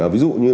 ví dụ như